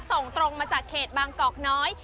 ส่งตรงมาจากเขตบางกอกน้อย